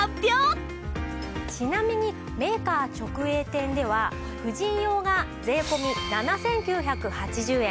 ちなみにメーカー直営店では婦人用が税込７９８０円。